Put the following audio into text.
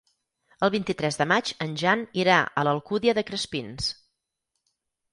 El vint-i-tres de maig en Jan irà a l'Alcúdia de Crespins.